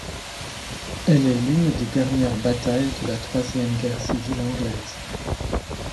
Elle est l'une des dernières batailles de la Troisième guerre civile anglaise.